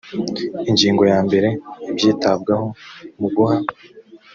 ingingo ya mbere ibyitabwaho mu guha